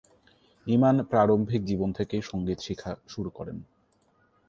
ইমান প্রারম্ভিক জীবন থেকেই সংগীত শিখা শুরু করেন।